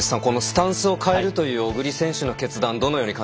このスタンスを変えるという小栗選手の決断